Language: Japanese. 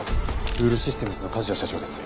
ブールシステムズの梶谷社長です。